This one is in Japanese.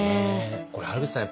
これ原口さん